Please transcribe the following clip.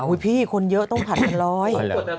อุ้ยพี่คนเยอะต้องผ่านกันร้อย